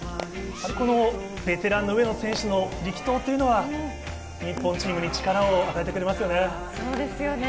ベテラン上野選手の力投は、日本チームに力を与えてくれますよね。